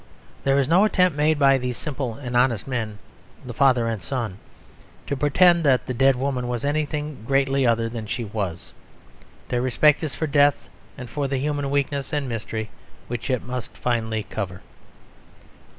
There is no attempt made by these simple and honest men, the father and son, to pretend that the dead woman was anything greatly other than she was; their respect is for death, and for the human weakness and mystery which it must finally cover.